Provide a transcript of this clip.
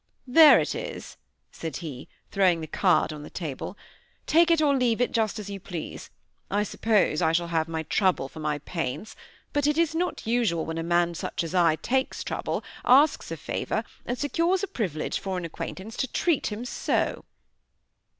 "There it is," said he, throwing the card on the table. "Take it or leave it, just as you please. I suppose I shall have my trouble for my pains; but it is not usual when a man such as I takes trouble, asks a favor, and secures a privilege for an acquaintance, to treat him so."